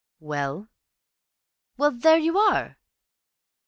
"Well?" "Well, there you are."